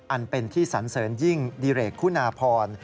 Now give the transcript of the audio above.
อันเป็นที่สันเสริญยิ่งดิเรกคุณาพร